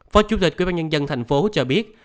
phó chủ tịch quy bản nhân dân thành phố cho biết